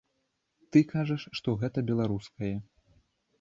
Ты кажаш, што гэта беларускае.